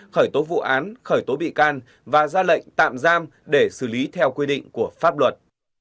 khởi tố vụ án khởi tố bị can và ra lệnh tạm giam để xử lý theo quy định của pháp luật